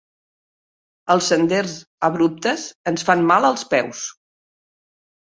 Els senders abruptes ens fan mal als peus.